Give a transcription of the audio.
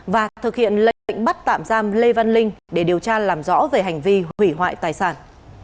và thực hiện lệnh bắt tạm giam lê văn linh để điều tra làm rõ về hành vi hủy hoại tài sản